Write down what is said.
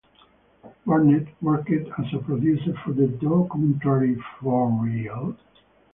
Burnett worked as a producer for the documentary "For Reel?".